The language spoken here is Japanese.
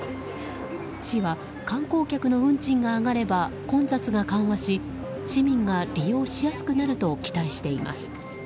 市は、観光客の運賃が上がれば混雑が緩和し市民が利用しやすくなると期待しています。